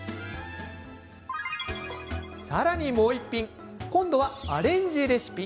さらにもう一品今度はアレンジレシピ。